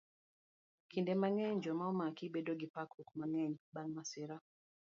Kinde mang'eny, joma omaki bedo gi parruok mang'eny bang' masira.